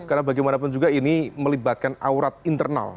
karena bagaimanapun juga ini melibatkan aurat internal